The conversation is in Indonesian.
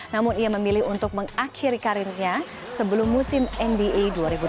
namun ia memilih untuk mengakhiri karirnya sebelum musim nba dua ribu delapan belas dua ribu sembilan belas